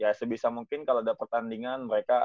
ya sebisa mungkin kalo dapet pertandingan mereka